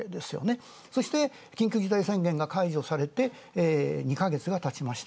そして緊急事態宣言が解除されて２ヶ月がたちました。